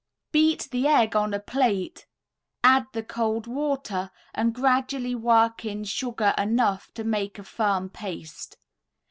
Beat the egg on a plate, add the cold water and gradually work in sugar enough to make a firm paste.